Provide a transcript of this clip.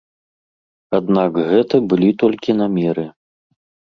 Аднак гэта былі толькі намеры.